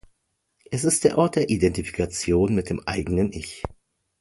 Es ist der Ort der Identifikation mit dem eigenen Ich.